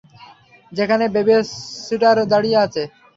এখানে বেবিসিটার দাঁড়িয়ে আছে।